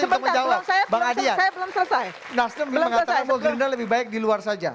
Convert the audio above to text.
nastem bilang bahwa gerindra lebih baik di luar saja